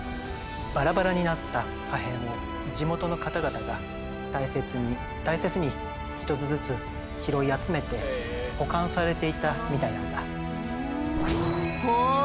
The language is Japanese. バラバラになった破片を地元の方々が大切に大切に一つずつ拾い集めて保管されていたみたいなんだ。